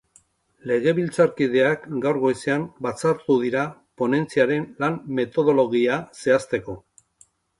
Legebiltzarkideak gaur goizean batzartu dira ponentziaren lan metodologia zehazteko.